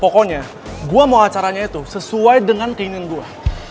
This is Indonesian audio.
pokoknya gue mau acaranya itu sesuai dengan keinginan gue